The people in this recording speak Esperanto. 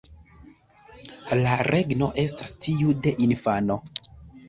La regno estas tiu de infano"".